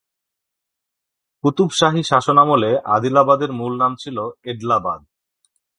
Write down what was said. কুতুব শাহী শাসনামলে আদিলাবাদের মূল নাম ছিল এডলাবাদ।